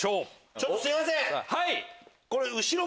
ちょっとすいません。